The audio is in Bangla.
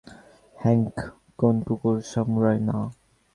হ্যাংক কোন কুকুর সামুরাই না।